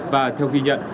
và theo ghi nhận